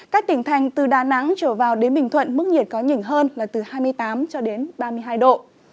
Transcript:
các tỉnh thành từ đà nẵng trở vào đến bình thuận mức nhiệt có nhỉnh hơn là từ hai mươi tám cho đến ba mươi hai độ